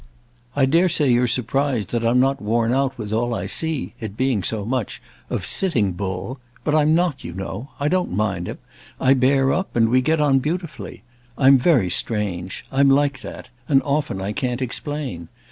"I dare say you're surprised that I'm not worn out with all I see—it being so much!—of Sitting Bull. But I'm not, you know—I don't mind him; I bear up, and we get on beautifully. I'm very strange; I'm like that; and often I can't explain.